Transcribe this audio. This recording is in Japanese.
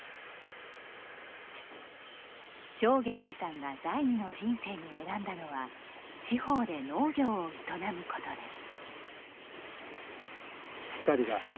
正源司さんが第２の人生に選んだのは地方で農業を営むことです。